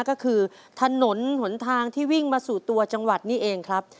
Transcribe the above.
ก็คือถนนหนทางที่วิ่งมาสู่ตัวจังหวัดนี่เองครับ